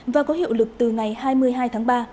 và có hiệu lực từ ngày hai mươi hai tháng ba